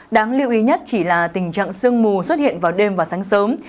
đáng lưu ý nhất chỉ là tình trạng sương mù xuất hiện vào đêm và sáng sớm